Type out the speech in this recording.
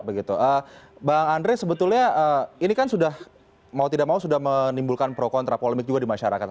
bang andre sebetulnya ini kan sudah mau tidak mau sudah menimbulkan pro kontra polemik juga di masyarakat